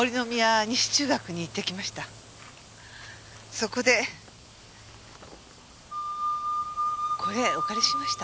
そこでこれお借りしました。